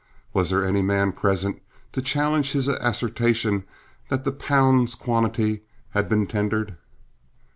Was there any man present to challenge his assertion that the pounds quantity had been tendered?